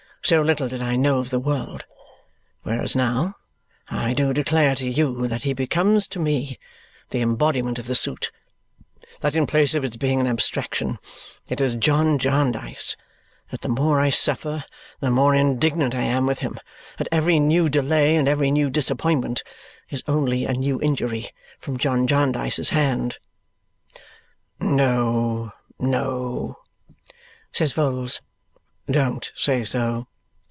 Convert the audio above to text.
So little did I know of the world! Whereas now I do declare to you that he becomes to me the embodiment of the suit; that in place of its being an abstraction, it is John Jarndyce; that the more I suffer, the more indignant I am with him; that every new delay and every new disappointment is only a new injury from John Jarndyce's hand." "No, no," says Vholes. "Don't say so.